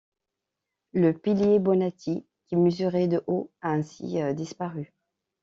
Le pilier Bonatti, qui mesurait de haut, a ainsi disparu.